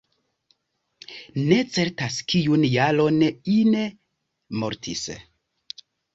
Ne certas kiun jaron Ine mortis.